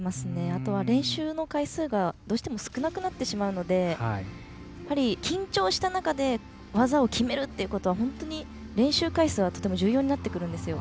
あとは練習の回数がどうしても少なくなってしまうのでやはり、緊張した中で技を決めるということは練習回数はとても重要になってくるんですよ。